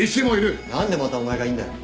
何でまたお前がいんだよ！